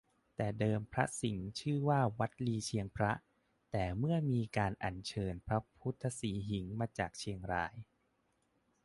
แต่เดิมวัดพระสิงห์ชื่อว่าวัดลีเชียงพระ แต่เมื่อมีการอันเชิญพระพุทธสิหิงค์มาจากเชียงราย